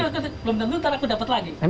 itu belum tentu nanti aku dapat lagi